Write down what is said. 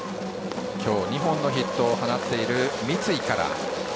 今日２本のヒットを放っている三井から。